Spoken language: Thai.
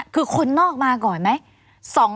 คือคนนอกมาก่อนไหม